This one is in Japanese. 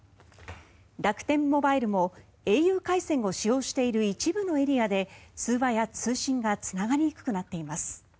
楽天モバイルも、ａｕ回線を使用している一部のエリアで通話や通信がつながりにくくなっています。